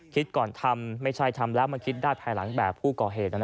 คิดก่อนทำไม่ใช่ทำแล้วมาคิดได้ภายหลังแบบผู้ก่อเหตุ